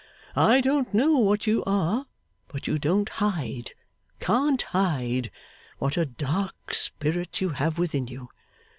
I don't know what you are, but you don't hide, can't hide, what a dark spirit you have within you.